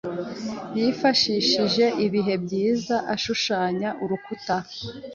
Yifashishije ibihe byiza ashushanya urukuta.